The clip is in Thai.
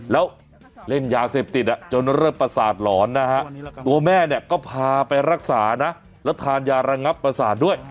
แล้วเล่นยาเสพติดจนเริ่มประสาทหลอนนะฮะตัวแม่เนี่ยก็พาไปรักษานะแล้วทานยาระงับประสาทด้วย